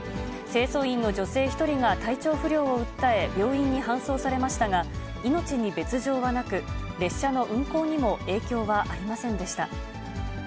清掃員の女性１人が体調不良を訴え、病院に搬送されましたが、命に別状はなく、列車の運行にも影響はありませんでした。